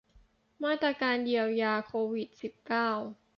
มาตรการเยียวยาโควิด สิบเก้า